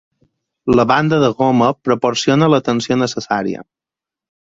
La banda de goma proporciona la tensió necessària.